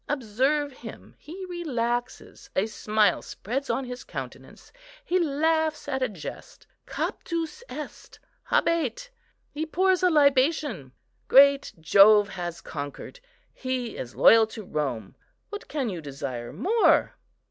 Observe him—he relaxes; a smile spreads on his countenance; he laughs at a jest; 'captus est; habet:' he pours a libation. Great Jove has conquered! he is loyal to Rome; what can you desire more?